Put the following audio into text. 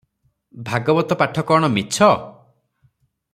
ଭାଗବତ ପାଠ କଣ ମିଛ?